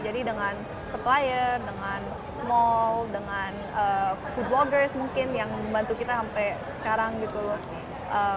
jadi dengan supplier dengan mall dengan food bloggers mungkin yang membantu kita sampai sekarang gitu loh